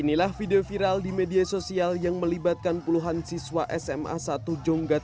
inilah video viral di media sosial yang melibatkan puluhan siswa sma satu jonggat